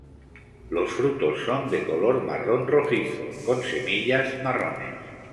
Los frutos son de color marrón rojizo con semillas marrones.